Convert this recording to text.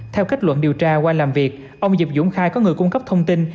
theo kết luận điều tra qua làm việc ông diệp dũng khai có người cung cấp thông tin